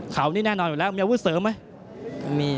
เขานี่แน่นอนอยู่แล้วมีอาวุธเสริมไหม